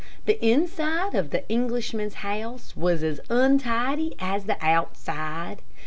The inside of the Englishman's house was as untidy as the outside.